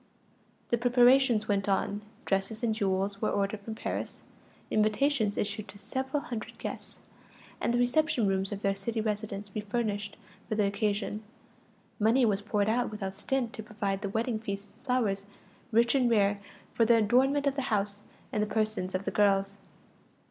The preparations went on; dresses and jewels were ordered from Paris, invitations issued to several hundred guests, and the reception rooms of their city residence refurnished for the occasion; money was poured out without stint to provide the wedding feasts and flowers, rich and rare, for the adornment of the house, and the persons of the girls.